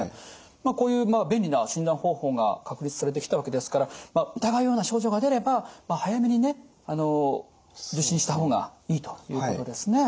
こういう便利な診断方法が確立されてきたわけですから疑うような症状が出れば早めにね受診した方がいいということですね。